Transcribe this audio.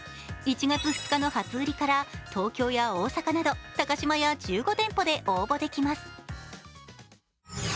１月２日の初売りから東京や大阪など高島屋１５店舗で応募できます。